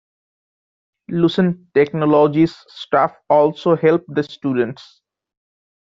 Lucent Technologies staff also help the students.